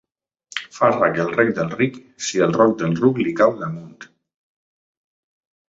Fa rac el rec del ric si el roc del ruc li cau damunt.